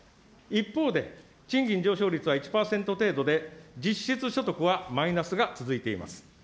一方で、賃金上昇率は１％程度で、実質所得はマイナスが続いています。